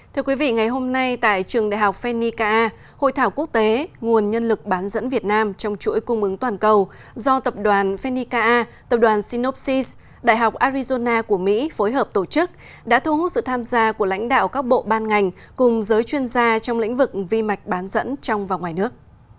thưa quý vị ngày hôm nay tại trường đại học phenica a hội thảo quốc tế nguồn nhân lực bán dẫn việt nam trong chuỗi cung ứng toàn cầu do tập đoàn phenica a tập đoàn synopsis đại học arizona của mỹ phối hợp tổ chức đã thu hút sự tham gia của lãnh đạo các bộ ban ngành cùng giới chuyên gia trong lĩnh vực vi mạch bán dẫn trong và ngoài nước